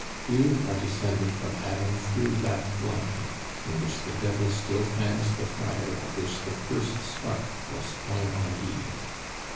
You are descended from Adam through that line, in which the devil still fans the fire of which the first spark was flung on Eve.